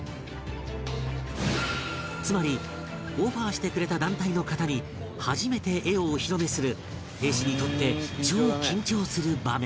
つまりオファーしてくれた団体の方に初めて絵をお披露目する絵師にとって超緊張する場面